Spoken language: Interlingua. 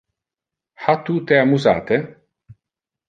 Ha tu te amusate?